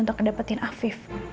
untuk kedapetin afif